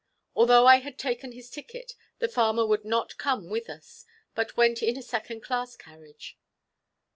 Although I had taken his ticket, the farmer would not come with us, but went in a second class carriage.